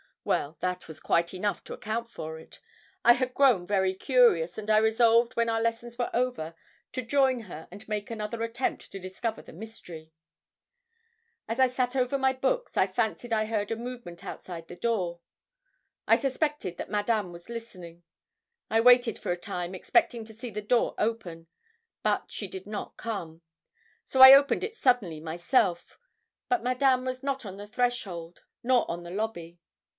Well, that was quite enough to account for it. I had grown very curious, and I resolved when our lessons were over to join her and make another attempt to discover the mystery. As I sat over my books, I fancied I heard a movement outside the door. I suspected that Madame was listening. I waited for a time, expecting to see the door open, but she did not come; so I opened it suddenly myself, but Madame was not on the threshold nor on the lobby.